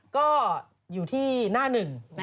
ก็อยู่ที่หน้าหนึ่ง